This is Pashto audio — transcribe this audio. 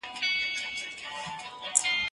زه مخکي سړو ته خواړه ورکړي وو!؟